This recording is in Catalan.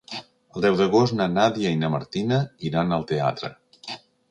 El deu d'agost na Nàdia i na Martina iran al teatre.